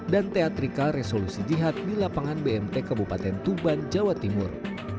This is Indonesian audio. dan teatrika resolusi jihad di lapangan bmt kabupaten tuban jawa timur